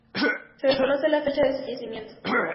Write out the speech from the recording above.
Se desconoce la fecha de su fallecimiento.